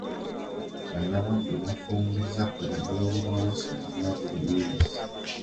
Bannabuddu bafungizza ku bulungibwansi owa buli mwezi